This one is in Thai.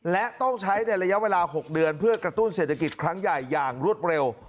และต้องใช้ในระยะเวลา๖เดือนเพื่อกระตุ้นเศรษฐกิจครั้งใหญ่อย่างรวดเร็ว